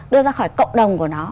đưa ra khỏi cộng đồng của nó